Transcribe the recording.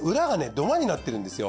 土間になってるんですよ。